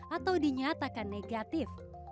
atau dinyatakan negatif